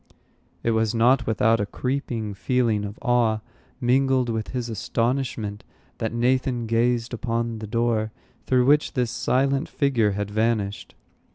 It was not without a creeping feeling of awe, mingled with his astonishment, that Nathan gazed upon the door through which this silent figure had vanished.